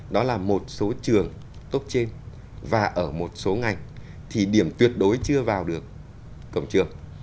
đó là một số trường tốt trên và ở một số ngành thì điểm tuyệt đối chưa vào được cổng trường